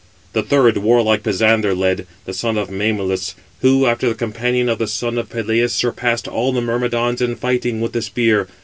The third, warlike Pisander led, the son of Mæmalus, who, after the companion of the son of Peleus, surpassed all the Myrmidons in fighting with the spear.